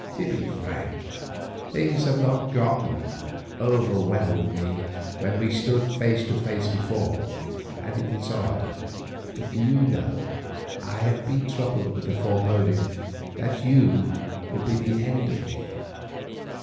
To be frank, things have not gone over well with me when we stood face to face before, and it is odd, but do you know, I have been troubled with a foreboding that you would be the end of me.